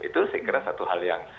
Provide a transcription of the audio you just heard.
itu sih kira kira satu hal yang